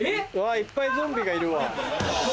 いっぱいゾンビがいるわ。